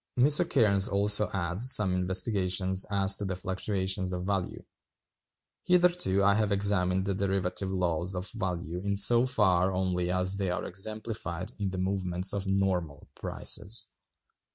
Cairnes also adds some investigations as to the fluctuations of value: "Hitherto I have examined the derivative laws of value in so far only as they are exemplified in the movements of normal prices.